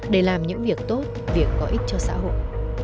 để làm những việc tốt việc có ích cho xã hội